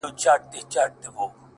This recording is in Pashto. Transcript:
o ماته يې په نيمه شپه ژړلي دي،